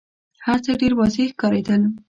هرڅه ډېر واضح ښکارېدل.